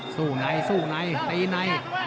สู้ในตีใน